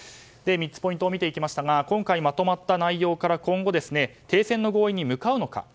３つポイントを見ていきましたが今回まとまった内容から今後停戦の合意に向かうのか。